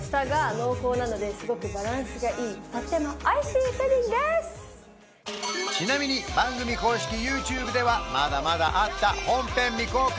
うんちなみに番組公式ＹｏｕＴｕｂｅではまだまだあった本編未公開